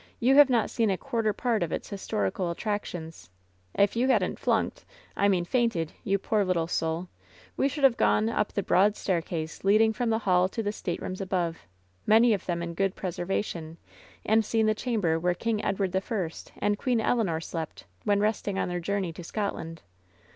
You have not seen a quarter part of its historical attractions. If you hadn't flunked — ^I mean fainted, you poor, little soul — ^we should have gone up the broad staircase leading from the hall to the state rooms above — ^many of them in good preservation — and seen the chamber where King Edward the First and (Jucen Eleanor slept, when resting on their journey to iSootland.